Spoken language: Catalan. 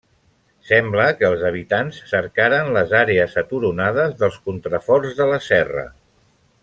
Sembla que els habitants cercaren les àrees aturonades dels contraforts de la serra.